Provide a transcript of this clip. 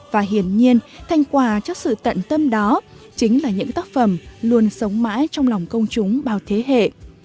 và hiển nhiên thành quả cho sự tận tâm đó chính là những tác phẩm luôn sống mãi trong lòng công chúng bao thế hệ